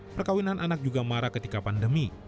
perkawinan anak juga marah ketika pandemi